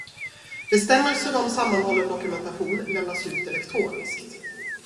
Bestämmelser om sammanhållen dokumentation lämnas ut elektroniskt.